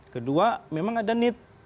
kedua memang ada need